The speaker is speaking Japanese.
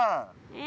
え？